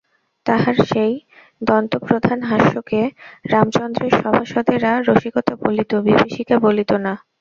তাহার সেই দন্তপ্রধান হাস্যকে রামচন্দ্রের সভাসদেরা রসিকতা বলিত, বিভীষিকা বলিত না!